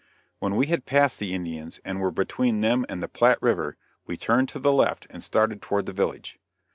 When we had passed the Indians and were between them and the Platte river, we turned to the left and started toward the village.